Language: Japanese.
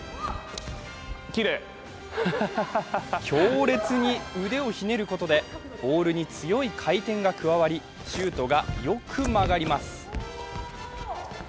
強烈に腕をひねることでボールに強い回転が加わりシュートがよく曲がります。